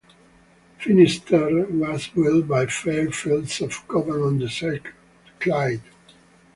"Finisterre" was built by Fairfields of Govan on the Clyde.